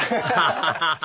ハハハハ！